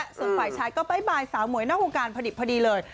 ส่วนฝ่ายชายก็บ๊ายบายสาวหมวยนอกวงการพอดีเลย